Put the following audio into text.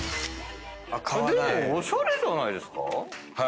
でもおしゃれじゃないですか？